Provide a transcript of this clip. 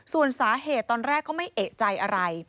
ส่วนสาเหตุตอนแรกเขาไม่เอกใจอะไร